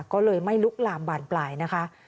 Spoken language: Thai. ก็เลยไม่ลุกลามบานปลายนะคะ